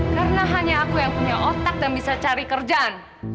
karena hanya aku yang punya otak dan bisa cari kerjaan